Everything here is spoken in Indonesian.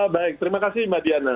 baik terima kasih mbak diana